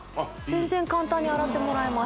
全然簡単に洗ってもらえます